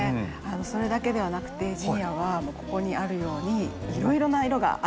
それだけではなくてジニアはここにあるようにいろいろな色があるんですよね。